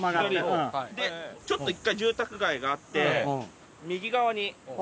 ちょっと１回住宅街があって右側に。